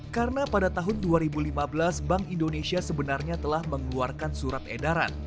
karena pada tahun dua ribu lima belas bank indonesia sebenarnya telah mengeluarkan surat edaran